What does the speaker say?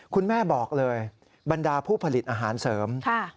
คุณแม่บอกเลยบรรดาผู้ผลิตอาหารเสริม